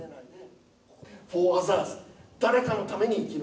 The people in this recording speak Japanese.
誰かのために生きろ。